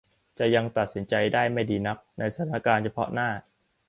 จะยังตัดสินใจได้ไม่ดีนักในสถานการณ์เฉพาะหน้า